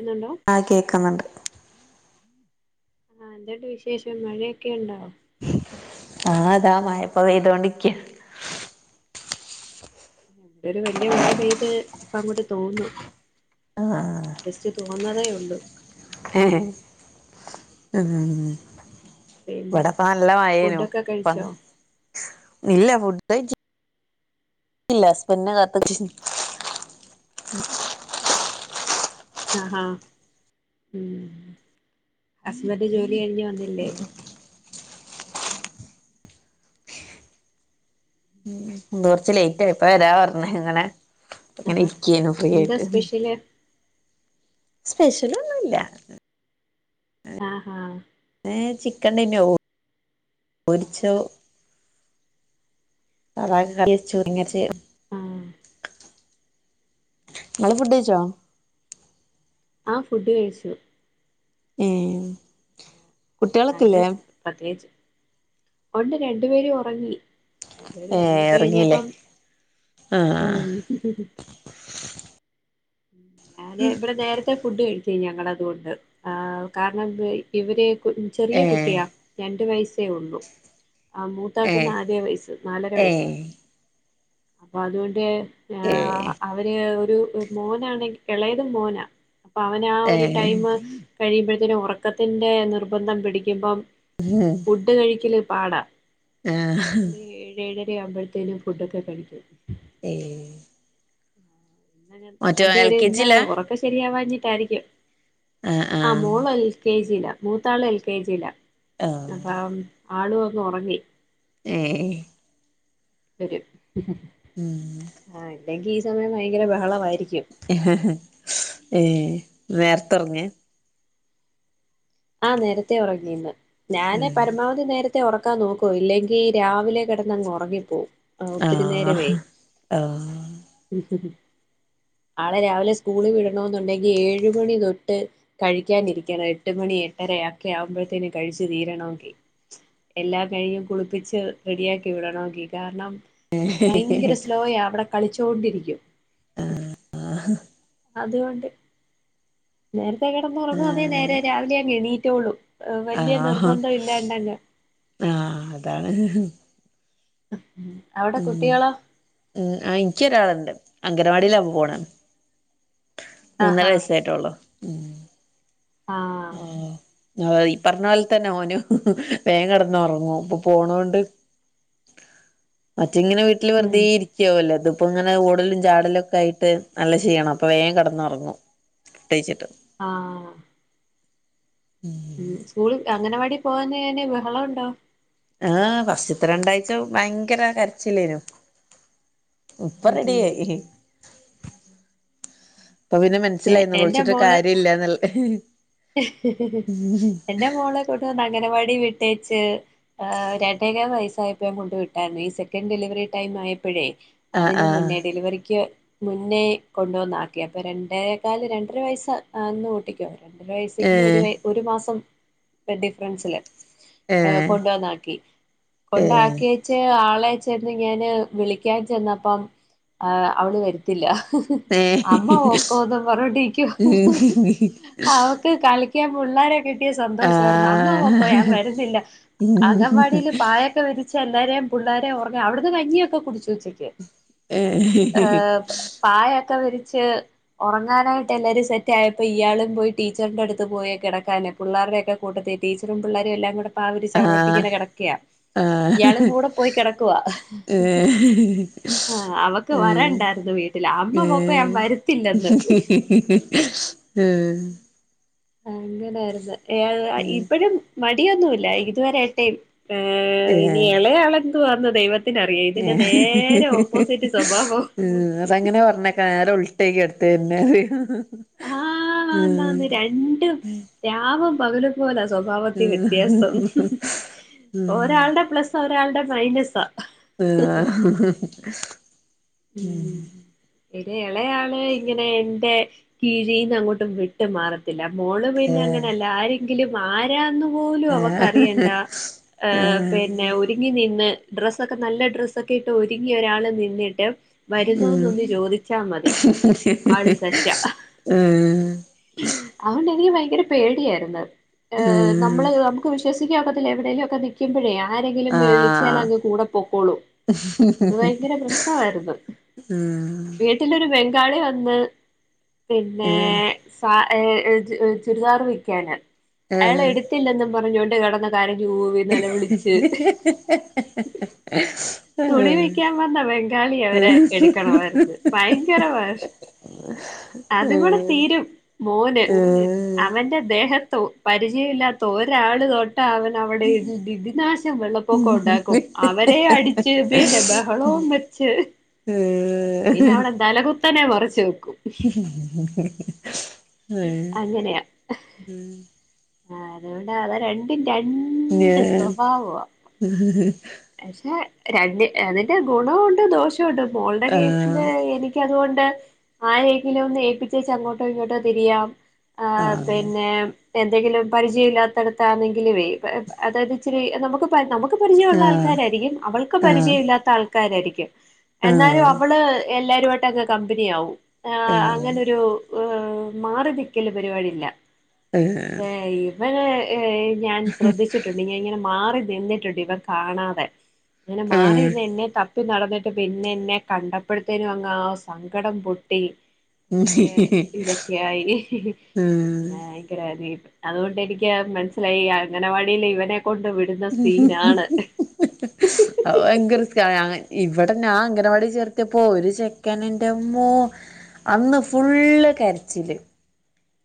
എന്നാണ്ടോ ആഹ് കേക്ക്ന്ന്ണ്ട് [inaudible] ആഹ് എന്തുണ്ട് വിശേഷം മഴയെക്കെയുണ്ടോ ആഹ് താ മഴ ഇപ്പൊ പെെതോണ്ടിക്ക്യാ ഇവിടെ വെല്ല്യ മഴപെെത് ഇപ്പഅങ്ങോട്ട് തോർന്നു ജെസ്റ്റ് തോ വന്നതേയൊള്ളു ഹെ ഹെ ആഹ് പിന്നെ ഇവടെപ്പാെ നല്ലമയേനു ഫുഡൊക്കെ ഇപ്പം കഴിച്ചോ നില്ല ഫുഡൈച്ച് ഇല്ല ഹസ്ബെൻഡ്നെ കാത്ത്നിക്കേര്ന്നു നഹാ ഉം ഹസ്ബെൻഡ് ജോലി കെഴിഞ് വന്നില്ലേ ഇന്ന് കൊർച്ച് ലൈറ്റായി ഇപ്പവെരാ പർണ്ക്ണ് ഇങ്ങനെ ആഹാ ഇരിക്കേന്നു എന്താ ഫ്രീയായിട്ട് ഇഹ് സ്പെഷ്യല് സ്പെഷ്യലൊന്നും ഇല്ല ആഹാ ഏഹ് ചിക്കൻ ഇണ്ടൈനു വൊ പൊരിച്ചു അതങ്ങ് കറിവെച്ചു തേങ്ങ അരച്ച് ഉം ആഹ് ഇങ്ങള് ഫുഡ്കഴിച്ചോ ആഹ് ഫുഡ്കഴിച്ചു ഏഹ് അങ്ങനെസ് പ്രത്യേകിച്ച് ഒണ്ട് രണ്ട് പേരും ഒറങ്ങി രണ്ട്പേരും ഏ ഉറങ്ങില്ലേ ഒറങ്ങികൈഞ്ഞപ്പം ആഹ് ഉം ഉം ഞാന് ഇവ്ടെ നേരെത്തെ ഫുഡ് കഴിക്കും ഞങ്ങള് അതുകൊണ്ട് ആഹ് കാരണംഎന്തുവേ ഇവിരേയ് ക് ഉം ഏ ചെറിയ കുട്ടിയാ രണ്ട് വയസ്സേഒള്ളു ആഹ് ഏ മൂത്താക്ക് നാല്യേ വയസ്സ് നാലെര ഏ വയസ്സ് അപ്പതുകൊണ്ടേ ആ ഏ അവര് ഒരു മോനാണെങ്കി എളയത് മോനാ അപ്പൊ അവന് ആ ഏ ഒര് ടൈമ് കഴിയുമ്പഴ്ത്തിനും ഒറക്കത്തിന്റെ നിർബന്ധം പിടിക്ക്മ്പം [unintelligible] ഫുഡ് കഴിക്കല് പാടാ ആഹ് അതോണ്ടൊര് ഏഴ് ഏഴെരെയാവ്മ്പഴ്ത്തിനും ഫുഡൊക്കെ കഴിക്കും ഏഹ് ഇന്നങ്ങട്ട് മറ്റോ തടി എൽ ഒര് കെ ഇന്നാ ജിലാ ഒറക്കം ശെരിവാഞ്ഞിട്ടായിരിക്കും ആഹ് മോള് എൽ കെ ജി യിലാ മൂത്താള് എൽ കെ ജി യിലാ ആഹ് അപ്പം ആള് വന്ന് ഒറങ്ങി ഏഹ് ഏഹ് ഒരു ഹ് ഹ് ഹ് ഉം ഹാ ഇല്ലെങ്കി ഈസമയം ഭയങ്കെര ബഹളവായിരിക്കും എഹ്ഹ്ഹ് ഏഹ് നേര്ത്തെ ഒറങ്ങേ ആഹ് നേരെത്തെ ഒറങ്ങി ഇന്ന് ഞാന് പരമാവധി നേര ത്തെ ഒറക്കാൻ നോക്കും ഇല്ലെങ്കി രാവിലെ കെടന്നങ്ങ് ഒറങ്ങിപ്പോവും ആഹ് ഒത്തിരി നേരവേ ആഹ് ആഹ് ഉംഹ്ഹ് ആളെ രാവിലെ സ്കൂള് വിടണോം എന്നുണ്ടെങ്കി ഏഴ് മണിതൊട്ട് കഴിക്കാനിരിക്കണം എട്ട്മണി എട്ടെരെയാക്കെ ആവുമ്പഴ്ത്തേന് കഴിച്ച് തീരണോങ്കി എല്ലാം കഴിഞ്ഞ് കുളിപ്പിച്ച് റെഡിയാക്കി വിടണോങ്കി കാരണം ഭയങ്കര സ്ലോയ അവ്ടെ കളിച്ചോണ്ടിരിക്യും ആഹ് അത്കൊണ്ട് നേര്ത്തെ കട്ന്നുറൊങ്ങോ അതേ നേരെ രാവിലെ യങ്ങ്എണീറ്റോളും വല്ല്യാ ആഹ് നിർബന്തൊഇല്ലാണ്ടങ്ങ് ആഹ് അതാണ് അവടെ കുട്ടികെളോ ഉം ആ ഇൻക്യോരാള്ണ്ട് അംഗനവാടിയിലാ പോണേ മൂന്നെര ആഹാ വയസ്സായ്ട്ടാെള്ളൂ ഉം ആഹ് അതാ ഈ പർഞ്ഞ പോലെ തന്നെ ഓനും വേം കടന്ന് ഒറങ്ങും ഇപ്പൊ പോണോണ്ട് മറ്റേങ്ങനെ വീട്ട്ല് ഉം വെർതെഇരി ആവല്ലെ ഇത് ഇപ്പം ഇങ്ങനെ ഓടലും ചാടലും ഒക്കെ ആയിട്ട് നല്ല ക്ഷീണം അപ്പ വേകം കിടന്നുറങ്ങും ഫുഡ്ഡ്‌ കഴിച്ചിട്ട് ആഹ്. ഉം സ്കൂൾ അങ്ങനവാടി പോകാഞ്ഞാൽ കഴ്ഞ ബഹളം ഉണ്ടൊ ആഹ് ഫസ്റ്റ്ത്തെ രണ്ടാഴ്ച്ച ഭയങ്കര കരച്ചിലായിരുന്നു ഇപ്പ ഉം റെഡി ഉം ആയി പ്പൊ പിന്നെ പക്ഷെ മനസ്സിലായി എന്റെ ന്നെലോള്ചിട്ട് മോള് കാര്യംല്ലാന്ന്ള്ളെ എന്റെ മോളെ കൂട്ട് അംഗനവാടി വിട്ടേച്ച് ഹ് രണ്ടേകാ വയസ്സായപ്പോ ഞാൻ കൊണ്ട് വിട്ടായിരുന്നു ഈ സെക്കൻ ഡെലിവറി ടൈം ആയപ്പഴേ. ആഹ് അതിന് ആഹ് മുന്നേ ഡെലിവറിക്ക് മുന്നേ കൊണ്ടുവന്നാക്കി അപ്പ രണ്ടേ കാല് രണ്ടര വയസ്സ് അ ആവ്ന്ന ഓട്ടിക്ക്യൊ അവെരെ ബെയ്സിക്കലി ഒരു ഏഹ് ഒരു മാസം ഡിഫറൻസില് ഏ ഏഹ് കൊണ്ടുവന്നാക്കി കൊണ്ടാക്കി ച്ച് ആളെ ചെന്ന് ഞാന് വിളിക്കാൻ ചെന്നപ്പം ആഹ് അവള് വരത്തില്ല അമ്മ ഏഹ് പൊക്കോന്നും പറഞ്ഞോണ്ടിരിക്ക്വ ഏഹ് അവക്ക് കളിയ്ക്കാൻ പുള്ളാരെ കിട്ട് കിട്ടിയ സന്തോഷായിരുന്നു. അമ്മ പൊക്കോ ഞാൻ ആഹ് വരുന്നില്ല അങ്കൻവാടീല് പായൊക്കെ വിരി ചെന്നാരേം പുള്ളാരേം ഒർങ്ങ അവിട്ന്ന് കഞ്ഞിയൊക്കെ കുട്ച്ചു ഉച്ചയ്ക്ക് ഏ ഏഹ് പായൊക്കെ വിരിച്ച് ഉറങ്ങാനായിട്ട് എല്ലാരും സെറ്റ് ആയപ്പോ ഇയാളും പോയി ടീച്ചറിന്റെ അടുത്ത് പോയി കിടക്കാന് പുള്ളാരുടെ ഒക്കെ കൂട്ടത്തി, ടീച്ചറും പിള്ളേരും എല്ലാം കൂടെ പായ് വിരിച്ച് അവ്ടെ ഒട്ടിക്കുന്ന ആഹ് കെടക്കയ ഇയാളും ആഹ് കൂടെ പോയി കിടക്കുവാ ഏഹ് ആഹ് അ ഏഹ് വരണ്ടായിരുന്നു വീട്ടിൽ അമ്മ പൊക്കോ ഞാൻ വരത്തില്ലന്ന് ഉം അങ്ങനാര്ന്ന് ഏ ഏഹ് ഇപ്പഴും മടിയൊന്നുല്ല ഇതുവരായ്ട്ടെയ് ഏഹ് ഇനി എളയാള് എന്ത്‌ പറഞ്ഞു ദൈവ ത്തിനറിയാം ഇതിന്റെ ഉം നേരെ ഓപ്പോസിറ്റ് സ്വഭാവൊ അത് അങ്ങനെ പറഞ്ഞേക്ക നേരെ ഉൾട്ടേക്കു അടുത്ത് വരുണെത് ആഹ് ഇന്നാന്ന് രണ്ടും രാവും പകലും പോലാ സ്വഭാവത്തി വ്യത്യാസം ഉം ഒരാളുടെ പ്ലസ് ഒരാളുടെ മൈനസാ. ഹ് ഉം പിന്നെ ഇളയാള് ഇങ്ങനെ എന്റെ കീഴീന്ന് അങ്ങോട്ടു വിട്ട് മാറ തില്ല മോള് പിന്നെ അങ്ങനെല്ലാരീം കിലും ആരാന്ന് പോലും അവക്കറിയണ്ടാ ഏഹ് ഹ് പിന്നെ ഒരുങ്ങി നിന്ന് ഡ്രസ്സൊക്കെ നല്ല ഡ്രസ്സൊക്കെ ഇട്ട് ഒരുങ്ങി ഒരാൾ നിന്നിട്ട് വരുന്നോന്നൊന്ന് ചോദിച്ചാമതി ഏഹ് ആള് സെറ്റാ. ആഹ് അത് കൊണ്ട് എനിക്ക് ഭയങ്കര പേടിയായിരുന്നു ഏഹ് ഉം നമ്മള് വിശ്യസിക്കാക്കൊത്തില്ല എവടേലുക്കെ നി ക്ക്മ്പഴേ ആരെങ്കിലും ആഹ് ആഹ് വിളിച്ചാലങ്ങ് കൂടെ പൊക്കോളും ഭയങ്കര പ്രശ്നമായിരുന്നു. ഉം വീട്ടിലൊരു ബംഗാളി വന്ന് പിന്നേ ആഹ് സാ ചുരിദാർ വിക്യാന ആഹ് അയാളെ ട്ത്തില്ലന്നും പറഞ്ഞോണ്ട് കെട്ന്ന് കരഞ്ഞൂവി നെലവിളിച്ച് ആഹ് തുണി വിക്യാൻ വന്ന വംഗാളിയവരെ എട്ക്കണമായ്ര്ന്ന് ഭയങ്കര വാശ് അത്ങ്കൂടെ തീരും മോന് ആഹ് അവന്റെ ദേഹത്തോ പരിചയൊല്ലാത്ത ഒരാള് തൊ ട്ടാ അവനവടെ ഇത് ദി ദിനാശം വെള്ളപ്പൊക്കൊണ്ടാക്കും അവരെ അടി പിന്നെ ബഹളും വെച്ച് ആഹ് പിന്നെ അവടെ തലകുത്തനെ മറച്ച് വെക്കും ഉം ആഹ് അതോണ്ടാ അതാരണ്ടിൻ്റെ രണ്ട് ഞാൻ സ്വഭാവാ പക്ഷെ രണ്ടിൻ അതിന്റെ ഗുണോണ്ട് ദോഷോണ്ട് മോൾടെ കേസ് ആഹ് ല് എനിക് ക്യ അതോണ്ട് മാഴേങ്കിലൊന്ന് ഏൽപ്പിച്ചച്ച് അങ്ങോട്ടോ ഇങ്ങോട്ടോ തിരിയാം ആഹ് പിന്നെം എന്തെങ്കിലും പരിജ്യയ ഇല്ലാത്ത ട്ത്താണെങ്കിലോ പ് അതായത് ഇച്ചിരി നമുക്കും പൽ നമക്ക് പരിചയോള്ള ആഹ് ആൾക്കാരാരിക്യും അവൾക്ക് ആഹ് പരിചയൊല്ലാത്ത ആൾക്കാരാരിക്യും ആൾക്കാരായിരിക്കും. ആഹ് എന്നാലു അവള് എല്ലാരുവായിട്ടങ്ങ് കമ്പനിയാവും ആഹ് അങ്ങനൊരു ആഹ് മാറി നിക്കല് പരിപാടില്ല ആഹ് പഷെ ഇവനെ ഞാൻ ശ്രദ്ധിച്ചിട്ട് ലിങ്ങങ്ങനെ മാറി നിന്നിട്ടുണ്ട് ഇവ കാണാതെ ഇങ്ങനെ മാറി ആഹ് നിന്നിട്ടു ത്ത് നടന്നേട്ട് പിന്നെന്നെ കണ്ടപ്പഴ് ത്തേനു അങ്ങാസ് സങ്കടം പൊട്ടി ഭയങ്കര ഇതൊക്കെയായി ഭയങ്കര അടികിട്ടും അത് കൊണ്ട് എനിക്യാമൻസ്സിലായി ക്യഅങ്കനവാടിലി വനെ കൊണ്ട് വ് അത് ഭയങ്കര [unintelligible] ഇവടെ നാഅങ്കനവാടി ചേർത്തിയപ്പോ ഒരു ചെക്കന് ൻ്റമ്മോ അന്ന് ഫുള്ള് കരച്ചില്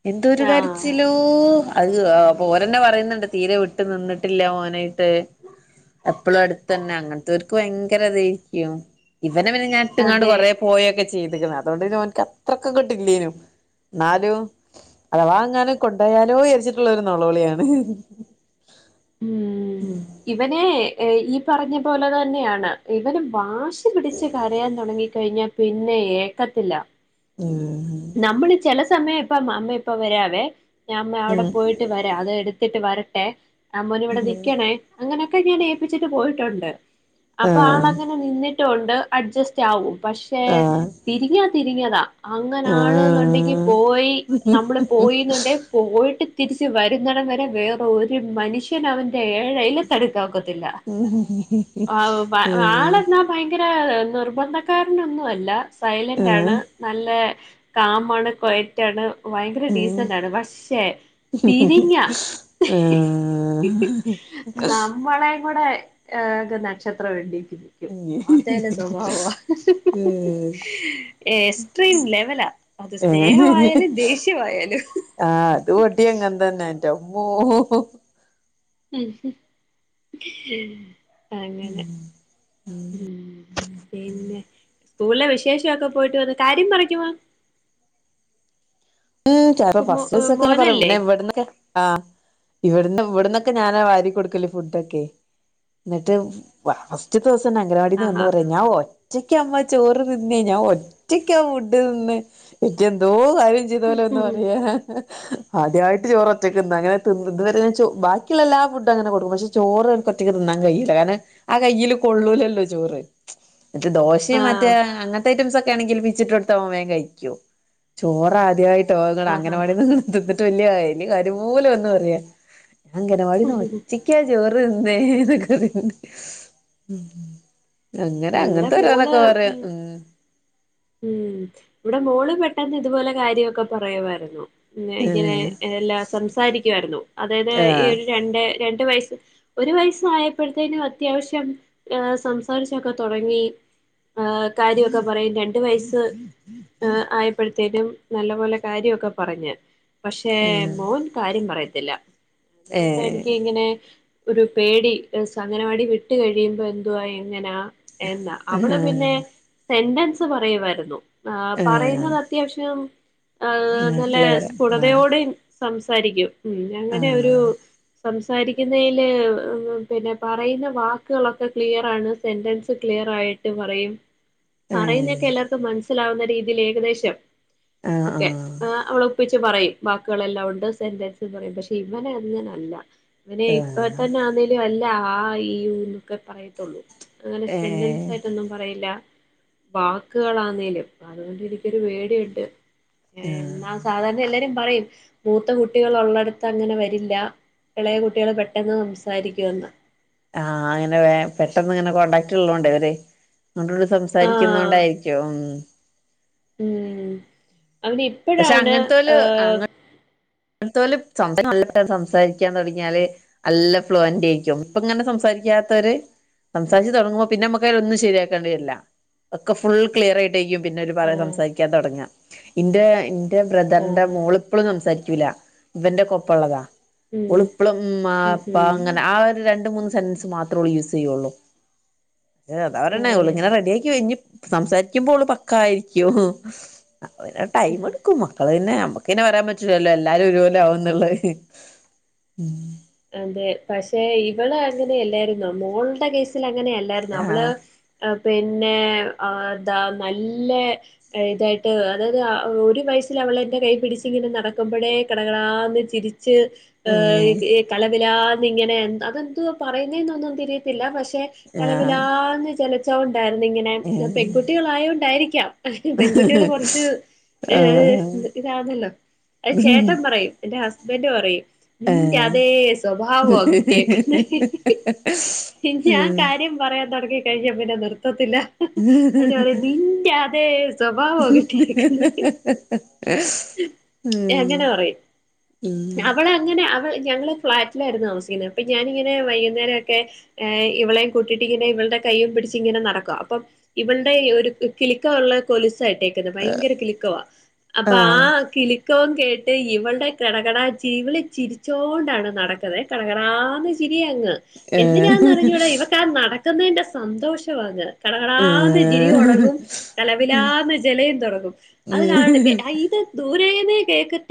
എന്തൊരു ആഹ് കരച്ചിലോ ഓ അത് പ്പോരന്നെപറിയ്ന്ന്ണ്ട് തീരെ വിട്ട് നിന്നിട്ടില്ല ഓനായിട്ട് എപ്പളുഅട്ത്തന്നെ അങ്ങൻത്തോര്ക്ക് വയങ്കരെ തേര്ക്യും ഇവന പിന്നെ ഞാൻ ഇട്ട്ങ്ങാണ്ട് അതെ കൊറേ പോയൊക്കെ ചീത്ക്ക്ണ് അതോണ്ട് കമൻ ക ത്രക്കങ്ങട്ടില്ലേനും ന്നാലും അഥവാ ങ്ങാനും കൊണ്ടയാലോ എര് ച്ച്ട്ട്ള്ളൊരു നൊളോളിയാണ് ഉം ഇവനെ ഈപറഞ്ഞ പോലെ തന്നെയാണ് ഇവന് വാ ച്ചു പിടിച്ച് കരയാൻ തൊടങ്ങി കഴിഞ്ഞാ പിന്നെ ഏക്കത്തില്ല ഉം നമ്മള് ചെല സമയപ്പം അമ്മ ഇപ്പം വരാവെ ഞംഅവിടെ ഉം പോയി ട്ട് വരാ അത് എടുത്തിട്ട് വരട്ടെ അം മോന് ഇവടെ ഉം നിക്യണേ അങ്ങനെക്കെ ഞാന് ഏപിച്ചിട്ട് പോയ് റ്റൊണ്ട് ആഹ് അപ്പാളങ്ങൻ നെ നിന്നിട്ടുണ്ട് അഡ്ജസ്റ്റാവും പക്ഷെ ആഹ് തിരിഞ്ഞാ തിരിങ്ങ്യതാ ങ്ങനാണ്ന്ന്ണ്ടങ്കി ആഹ് പോയി നമ്മള് പോയിന്നുണ്ടെ പോയിട്ട് തിരിച്ച് വരുന്നടംവരെ വേറെ ഒരു മനുഷ്യനഅവൻ്റെ ഏഴയ്ല തടുക്കാ ഒക്കത്തില്ല ഉം അത്പ ആളെന്നാ പയങ്കരാ നിർബന്ധക്കാരനൊന്നു അല്ല സൈലൻ്റാണ് ആഹ് നല്ലെ കാമാണ് കൊയ റ്റാണ് ഭയങ്കര ഉം ഡീസൻ്റാണ്. പക്ഷെ തിരിഞ്ഞാ ആഹ് നമ്മളേം കൂടെ ഏഹ് നക്ഷത്രമെണ്ണിക്കും. ക്കും. അതേല്ല സ്വഭാവവാ ഏഹ് എസ്ട്രീം ല വലാ അത് സ്നേഹമായാലും, ദേഷ്യമായാലും. ആഹ് അത് വടിം അങ്ങൻ തന്നെ എൻ്റമ്മോ. അങ്ങനെ ഉം. പിന്നെ സ്കൂളിലെ വിശേഷൊക്കെ പോയിട്ട് വന്ന് കാര്യം പറിക്കുവാ ഉം ചാറോ കുമോ ഏഹ് ഫസ്റ്റീസൊക്കെങ്ങനെ പറയും. മോനല്ലേ പിന്നെ ഇവട്ന്നൊക്കെ ആഹ്. ഇവട്ന്ന് ഇവട്ന്നൊക്കെ ഞാനാ വാരി കൊടുക്കല് ഫുഡൊക്കെ. ഇന്നട്ട് വ്വ. ഫസ്റ്റ്ത്തെ ദിവസന്നെ അംഗവാടിന്ന് വന്ന് ആഹാ പറയാ ഞാ ഒ റ്റക്ക്യാ മ്മാ ചോറ് തിന്നേ ഞാൻ ഒറ്റക്കാ ഫുഡ് തിന്ന് ഇക്ക്യ് എന്തോ കാര്യം ചെയ്ത പോലെ വന്ന് പറയാ. ആദ്യായിട്ട് ചോറ് ഒറ്റക്ക് ന്നാ. അങ്ങനെ തിന്ന് ഇത് വരെ ചോ ബാ ക്കിള്ളെല്ലാ ഫുഡും അങ്ങനെ കൊടുക്കും പക്ഷെ ചോറ് ഓൽക്കൊറ്റക്ക് തിന്നാൻ കയ്യില്ല. കാരണം ആ കയ്യില് കൊള്ളൂലല്ലോ ചോറ്. മറ്റെ ദോശിം മറ്റേ ആഹ് അങ്ങനത്തെ ഐറ്റംസ് ഒക്കെ ആണെങ്കിൽ പിച്ചിട്ടൊട് ത്താവുമ്പം വേം കഴിക്കും. ചോറ് ആദ്യായിട്ടാ വെ ങ്ങള് ആഹാ അംഗനവാടിന്ന് [unintelligible] തിന്നിട്ട് വല്യ വല്യ കാര്യംപോലെ വന്ന് പറയാ ഞാൻ അംഗനവാടിന്ന് ഒറ്റയ് ക്ക്യാ ചോറ് തിന്നേ ന്നൊക്കറിണ്ട്. അങ്ങനെ ഇവിടെ അങ്ങൻത്തെ മോള് ഓരോന്നൊക്കെ പർയും ഉം. ഉം ഇവടെ മോള് പെട്ടെന്ന് ഇതുപോലെ കാര്യവൊക്കെ പറയുമായിരുന്നു. ഉംന്നെ ഇങ്ങനെ ഉം എല്ലാം സംസാരിക്കുവായായിരുന്നു. അതായത് ആഹ് ഈയൊര് രണ്ട് രണ്ട് വയസ്സ് ഒരു വയസ്സ് ആയപ്പഴ്ത്തേനും അത്യാവശ്യം സംസാരിച് ച്ചൊക്കെ തുടങ്ങി ഏഹ് കാര്യവൊക്കെ പറയും. രണ്ട് വയസ്സ് ഏഹ് ആയപ്പെഴ്ത്തേനും നല്ല പോലെ കാര്യ ഒക്കെ പറഞ്. പക്ഷെ ആഹ് മോൻ കാര്യം പറയത്തില്ല. അതുകൊണ്ടാ ഏഹ് എനിക്ക് ഇങ്ങനെ ഒരു പേടി എ സ് അങ്ങനവാടി വിട്ട് കഴിയുമ്പോ എന്തുവാ എങ്ങനാ എന്ന. അവള് പിന്നെ ആഹ് സെന്റൻസ് പറയുവാര്ന്നു. ആഹ് പറയുന്നത് അത്യാവശ്യം ഏഹ് ആഹ് നല്ല ക്ലിയർ ആഹ് സ്ഫുടതയോടെയും സംസാരിക്കും. ഉം അങ്ങനെയൊരു ആഹ് സംസാരിക്കുന്നയ്ല് പിന്നെ പറയുന്ന വാക്കുകളൊക്കെ ക്ലിയറാണ് സെന്റൻസ് സ് ക്ലിയർ ആയിട്ട് പറയും. പറയുന്നെയൊക്കെ ഏഹ് എല്ലാർക്കും മൻസ് സിലാവുന്ന രീതിയിൽ ഏകദേശം ആഹ് ഒക്കെ. ആഹ് ഏഹ് അവള് ഒപ്പിച്ച് പറയും വാക്കുകളെല്ലാം ഉണ്ട് സെന്റൻസ് ന്ന് പറയും പക്ഷെ ഇവനെ അങ്ങനല്ല. അവന് ഇപ്പ ആഹ് തന്നെ ആന്നേലും അല്ല ആ ഈ ഊ ന്നൊക്കെ പറയത്തൊള്ളൂ. അങ്ങനെ സെന്റൻസ് ഏഹ് സായിട്ടൊന്നും പറയില്ല. വാക്കുകളാന്നേലും അതുകൊണ്ട് എനിക്കൊരു പേടിയുണ്ട്. ഏ ആഹ് എന്നാ ആഹ് സാധാരണ എല്ലാരും പറയും മൂത്ത കുട്ടികൾ ഉള്ളടത്ത് അങ്ങനെ വരില്ല. എളയ കുട്ടികൾ പെട്ടെന്ന് സംസാരിക്കുവെന്ന്. ആഹ് അങ്ങനെ വേം പെട്ടെന്ന് ഇങ്ങനെ കോണ്ടടാക്ട് ഉള്ളോണ്ടെ ഇവര് അങ്ങട്ടും ഇങ്ങട്ടും സംസ് ആഹ് സാരിക്കുന്നോണ്ടായിരിക്കും ഉം. ഉം അങ്ങനെ പക്ഷെ ഇപ്പഴാണ് ഏഹ് അങ്ങൻത്തോല് സംസ [unintelligible] നല്ല പോലെ സംസാരിക്കാൻ തുടങ്ങിയാല് നല്ല ഫ്ലുവൻ്റേക്ക്യും. ഇപ്പങ്ങനെ സംസാരിക്കാത്തവര് സംസാരിച്ച് തുടങ്ങുമ്പം പിന്നെ നമക്ക് അയ്ലൊന്നും ശരിയാക്കേണ്ടി വര്ല്ല. ഒക്കെ ഫുൾ ക്ലിയറായി വൈകിയും പിന്നെ ഒരു പറ ആഹ് സംസാരിക്കാൻ തുടങ്ങ ന്റെ ന്റെ ബ്രദറിന്റെ ആഹ് മോളിപ്പളും സംസാരിക്ക കൂല ഇവന്റെ കൊപ്പംള്ളതാ ഉം ഉളിപ്പളും മ് അ ഉം അപ്പ ഉം അങ്ങനെ ആ ഒരു രണ്ട് മൂന്ന് സെന് മാത്രേള്ളൂ യൂസ് ചെയ്യുള്ളൂ ഏഹ് അത അവരെണ്ണേള്ളൂ ഇങ്ങനെ ആഹ് റെഡിയ ആക്കി കഴിഞ് സംസാരിക്കുമ്പോള് പക്കായിരിക്കും അവന ടൈം എടുക്കും അപ്പ അത്ന്നെ നമുക്ക്ന്നെ പറയാൻ പറ്റൂല്ലല്ലോ എല്ലാരും ഒരുപോലെ ആകുന്നുള്ള ഉം അതെ പക്ഷെ ഇവള് അങ്ങനെയല്ലായിരുന്നു മോളുടെ കേസൽ അങ്ങനെയല്ലായിരുന്നു അവള് ആഹ് അഹ് പിന്നെതാ നല്ല ഇതായിട്ട് അതായത് ഒരു വയസ്സിൽ അവളെന്റെ കൈ പിടിച്ച് ഇങ്ങനെ നടക്കുമ്പോടെേ കടകളാന്ന് ചിരി ച്ച് ഉം ഈ കലപിലന്ന് ഇങ്ങനെ അതെന്ത പറയുന്ന എന്നൊന്നും തിരിയത്തില്ല പക്ഷെ ആഹ് കലപിലാന്ന് ചലച്ചോണ്ടായിരുന്നു ഇങ്ങനെ ഉം പെൺകുട്ടികളായൊണ്ടായിരിക്കാം പെൺകുട്ടികള് കുറച്ച് ഏഹ ആഹ് ഇതാണല്ലോ അത് ഉം ചേട്ടൻ പറയും എന്റെ ഹസ്ബൻഡ് പറയും നീന്റെ ഏഹ് അതെ സ്വഭാവോ കിട്ടിയക്കുന്ന ഞാൻ ഉം കാര്യം പറയാൻ തുടങ്ങി കഴിഞ പിന്നെ നിർത്തത്തില്ല അന്റെ പറ നിന്റെതെ സ്വഭാവോ കിട്ടിയക്കുന്നു [inaudible] എങ്ങനെ ഉം പറയും ഉം അവള അങ്ങനെ അവ ഞങ്ങള്ൾ ഫ്ളാറ്റിലായിയിരുന്നു താമസിക്കുന്നത് അപ്പൊ ഞാനിങ്ങനെ വൈകുന്നേരം ഒക്കെ ് ഇവളെയ കൂട്ടിട്ടിങ്ങനെ ഇവളടെ കൈ്യയും പിടിച്ച് ഇങ്ങനെ നടക്കും അപ്പം ഇവടെ ഒരു കിളിക്കമുള്ള കൊലിസായിട്ടേക്കുന്നത് ഭയങ്കര കിളിക്കവാ ബാ ആഹ് കിളിക്കോം കേട്ട് ഇവളുടെ കിടകട ജീവിളി ചിരിച്ചോണ്ടാണ് നടക്കണെ കടകറാന്ന് ചിരി അങ്ങ് എന്തിനാന്ന്റിഞ്ഞൂടാ ഏഹ് ഇവ ാൻ നടക്കുന്നതിന്റെ സന്തോഷമാണ് കട കട ചിരി തു ടങ്ങും തലവിലാന്ന ജലയും തുടങ്ങും അത് കാണെ ഏഹ് ഇത് ദൂരന്നെ കെകത്തി